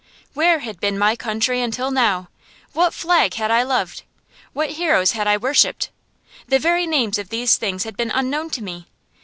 Where had been my country until now? What flag had I loved? What heroes had I worshipped? The very names of these things had been unknown to me.